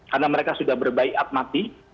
karena mereka sudah berbaikat mati